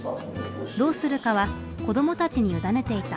どうするかは子どもたちに委ねていた。